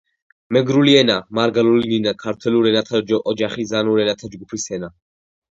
მეგრული ენა . მარგალური ნინა ქართველურ ენათა ოჯახის ზანურ ენათა ჯგუფის ენა.